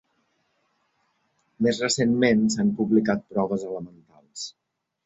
Més recentment, s'han publicat proves elementals.